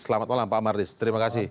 selamat malam pak marlis terima kasih